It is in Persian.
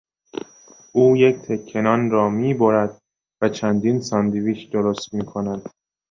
او یک تکه نان را میبرد و چندین ساندویچ درست میکند.